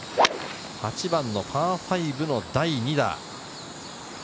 ８番、パー５の第２打。